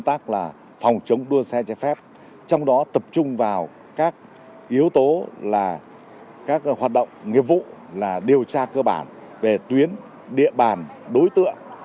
trong đó tập trung vào các yếu tố là các hoạt động nghiệp vụ là điều tra cơ bản về tuyến địa bàn đối tượng